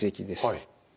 はい。